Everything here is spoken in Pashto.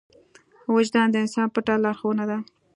وجدان د انسان پټه لارښوونه ده.